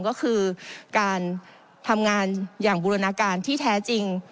ก็คือการทำงานอย่างบูรณาการที่แท้จริง